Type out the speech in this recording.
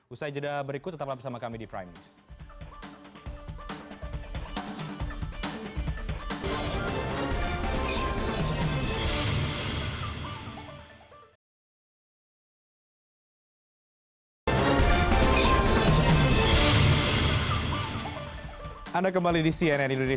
usai jeda berikut tetap bersama kami di prime